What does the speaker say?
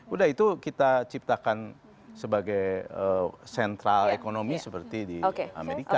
udah itu kita ciptakan sebagai sentral ekonomi seperti di amerika